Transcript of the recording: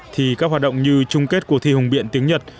thì các hoạt động như chung kết cuộc thi hùng biện tiếng nhật